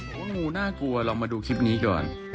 โอ้โหงูน่ากลัวลองมาดูคลิปนี้ก่อน